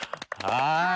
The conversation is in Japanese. はい。